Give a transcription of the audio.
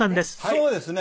そうですね。